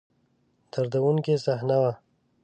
دردوونکې صحنه وه.